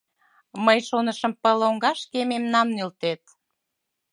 Мый шонышым, пыл лоҥгашке мемнам нӧлтет...